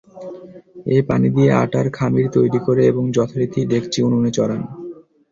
এ পানি দিয়ে আটার খামীর তৈরি করে এবং যথারীতি ডেকচি উনুনে চড়ান।